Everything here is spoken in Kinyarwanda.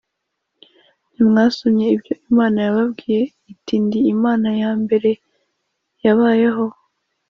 ntimwasomye ibyo Imana yababwiye iti ndi Imana ya mbere yabayeho